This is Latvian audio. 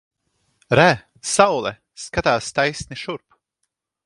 Re! Saule! Skatās taisni šurp!